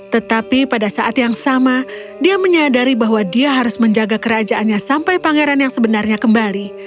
tetapi pada saat yang sama dia menyadari bahwa dia harus menjaga kerajaannya sampai pangeran yang sebenarnya kembali